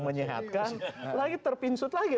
menyehatkan lagi terpinsut lagi